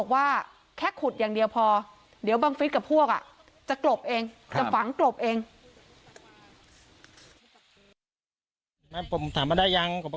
เขาก็คุยอย่างนั้นผมก็ฟังไว้ครับครับก็ต้องทำอืมถามจริงจริงตอนนั้นอ่ะ